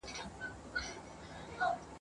سر افسر د علم پوهي پر میدان وو ..